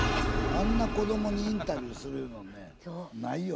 あんな子どもにインタビューするいうのはねないよ